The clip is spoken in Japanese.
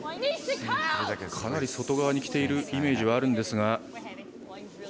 かなり外側にきているイメージはあるんですが。